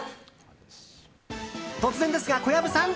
突然ですが、小籔さん。